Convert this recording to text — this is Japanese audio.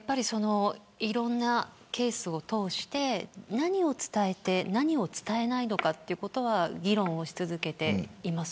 いろんなケースを通して何を伝えて、何を伝えないのかということは議論し続けています。